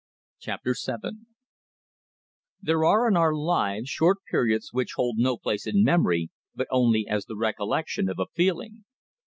CHAPTER SEVEN There are in our lives short periods which hold no place in memory but only as the recollection of a feeling.